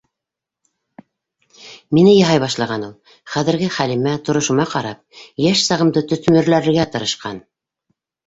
Мине яһай башлаған ул. Хәҙерге хәлемә, торошома ҡарап, йәш сағымды төҫмөрләргә тырышҡан.